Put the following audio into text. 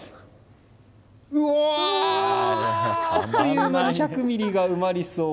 うわあという間に１００ミリが埋まりそう。